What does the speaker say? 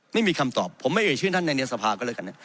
ไม่มีคำตอบผมไม่เอ่ยชื่อท่านในในสภาก็แล้วกันนะ